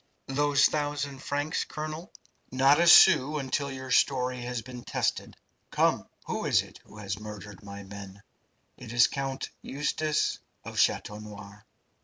"Those thousand francs, colonel " "Not a sou until your story has been tested. Come! Who is it who has murdered my men?" "It is Count Eustace of Chateau Noir."